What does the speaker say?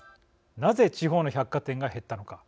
なぜ、地方の百貨店が減ったのか。